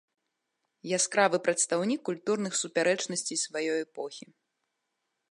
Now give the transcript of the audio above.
Яскравы прадстаўнік культурных супярэчнасцей сваёй эпохі.